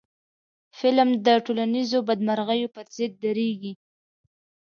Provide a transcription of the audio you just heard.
فلم د ټولنیزو بدمرغیو پر ضد درېږي